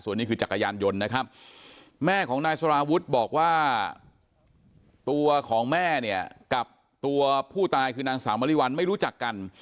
ส่วนนี้คือจักรยานยนต์นะครับแม่ของนายสารวุฒิบอกว่าตัวของแม่เนี่ยกับตัวผู้ตายคือนางสาวมริวัลไม่รู้จักกัน